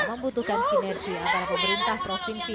membutuhkan sinergi antara pemerintah provinsi